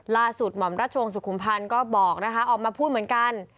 หม่อมราชวงศ์สุขุมพันธ์ก็บอกนะคะออกมาพูดเหมือนกัน